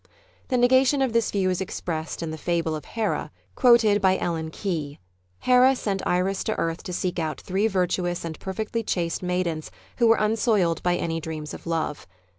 The negation of this view is expressed in the fable of Hera quoted by Ellen Key. Hera sent Iris to earth to seek out three virtuous and perfectly chaste maidens who were unsoiled by any dreams of love.